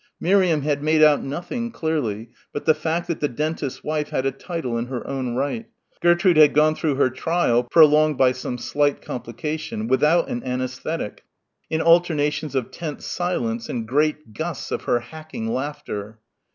Miriam had made out nothing clearly, but the fact that the dentist's wife had a title in her own right. Gertrude had gone through her trial, prolonged by some slight complication, without an anæsthetic, in alternations of tense silence and great gusts of her hacking laughter.